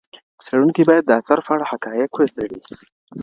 څېړونکی باید د اثر په اړه حقایق وڅېړي.